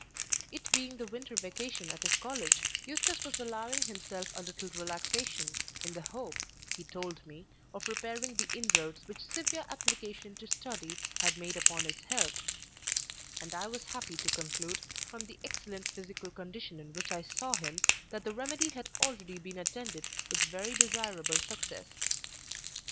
It being the winter vacation at his college, Eustace was allowing himself a little relaxation, in the hope, he told me, of repairing the inroads which severe application to study had made upon his health; and I was happy to conclude, from the excellent physical condition in which I saw him, that the remedy had already been attended with very desirable success.